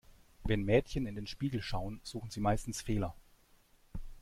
Wenn Mädchen in den Spiegel schauen, suchen sie meistens Fehler.